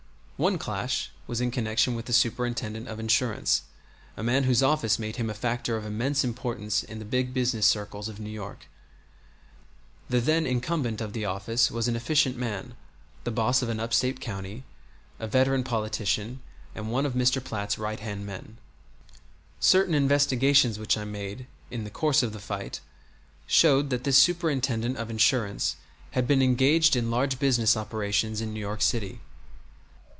One clash was in connection with the Superintendent of Insurance, a man whose office made him a factor of immense importance in the big business circles of New York. The then incumbent of the office was an efficient man, the boss of an up State county, a veteran politician and one of Mr. Platt's right hand men. Certain investigations which I made in the course of the fight showed that this Superintendent of Insurance had been engaged in large business operations in New York City.